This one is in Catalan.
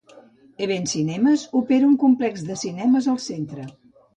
Event Cinemas opera un complex de cinemes al centre.